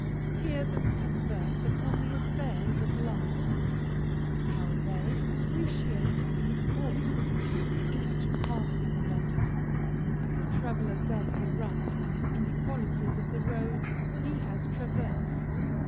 Hear them converse upon the affairs of life; how they appreciate the importance of each passing event, as a traveler does the ruts and inequalities of the road he has traversed.